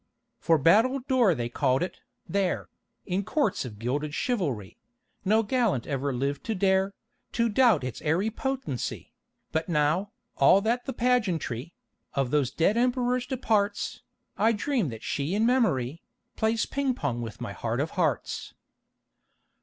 For battledore they called it, there In courts of gilded chivalry; No gallant ever lived to dare To doubt its airy potency; But now, that all the pageantry Of those dead emperors departs, I dream that she in memory Plays ping pong with my heart of hearts.